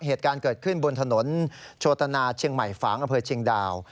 เหตุการณ์เกิดขึ้นบนถนนโชตนาเชียงใหม่ฝางอำเภอเชียงดาว